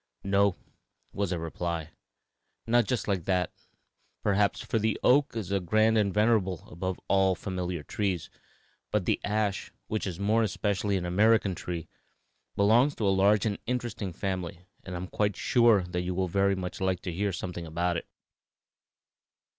"No," was the reply; "not just like that, perhaps, for the oak is grand and venerable above all our familiar trees, but the ash, which is more especially an American tree, belongs to a large and interesting family, and I am quite sure that you will very much like to hear something about it.